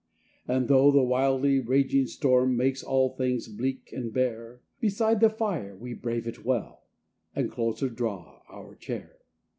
And, though the wildly raging storm Makes all things bleak and bare, Beside the fire we brave it well, And closer draw our chair.